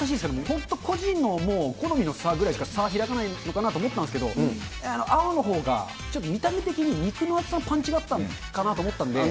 本当、個人のもう、好みの差ぐらいしか、差開かないのかなと思ったんですけど、青のほうが、ちょっと見た目的に肉の厚さのパンチがあったのかなと思ったんで。